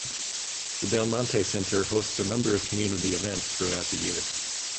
The Del Monte Center hosts a number of community events throughout the year.